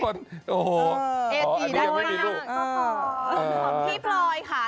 พี่ปลอยค่ะ